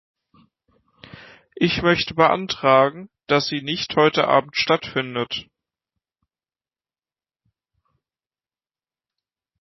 Ich möchte beantragen, dass sie nicht heute abend stattfindet.